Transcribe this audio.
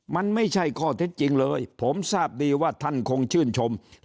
มันไม่ใช่ข้อเท็จจริงเลยผมทราบดีว่าท่านคงชื่นชม